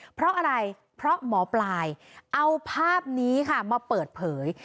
เพราะอะไรเพราะหมอปลายเอาภาพนี้ค่ะมาเปิดเผย